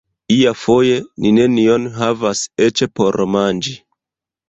Iafoje ni nenion havas eĉ por manĝi.